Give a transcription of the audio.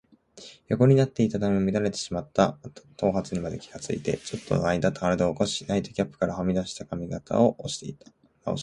横になっていたために乱れてしまった頭髪にまで気がついて、ちょっとのあいだ身体を起こし、ナイトキャップからはみ出た髪形をなおしていた。